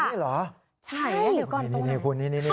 นี่เหรอใช่เดี๋ยวก่อนตรงไหนนี่นี่นี่นี่